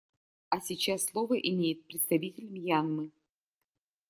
А сейчас слово имеет представитель Мьянмы.